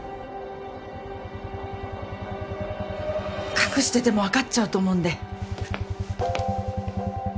隠しててもわかっちゃうと思うんで。